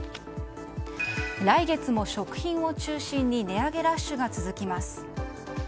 来月も食品を中心に値上げラッシュが続きます。